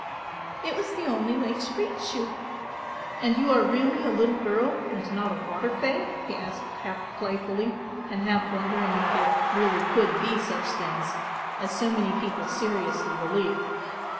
"It was the only way to reach you." "And you are really a little girl and not a water fay?" he asked half playfully and half wondering if there really could be such things, as so many people seriously believed.